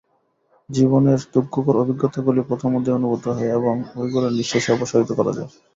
জীবনের দুঃখকর অভিজ্ঞতাগুলি পথিমধ্যেই অনুভূত হয়, এবং ঐগুলি নিঃশেষে অপসারিত করা যায়।